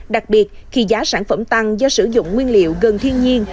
đặc biệt khi giá sản phẩm tăng do sử dụng nguyên liệu gần thiên nhiên